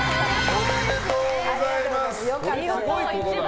おめでとうございます。